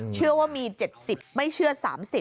เชื่อว่ามี๗๐ไม่เชื่อ๓๐